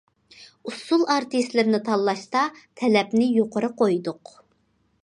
ئۇسسۇل ئارتىسلىرىنى تاللاشتا تەلەپنى يۇقىرى قويدۇق.